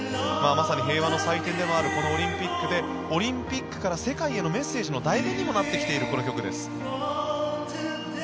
まさに平和の祭典でもあるこのオリンピックでオリンピックから世界へのメッセージの代弁にもなっているこの曲です。